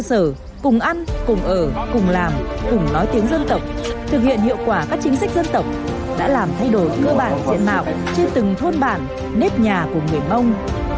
cơ sở cùng ăn cùng ở cùng làm cùng nói tiếng dân tộc thực hiện hiệu quả các chính sách dân tộc đã làm thay đổi cơ bản diện mạo chưa từng thôn bản nếp nhà của người mông